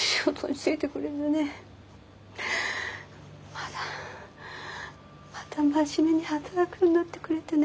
またまた真面目に働くようになってくれてね。